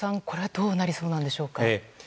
これは、どうなりそうでしょうか。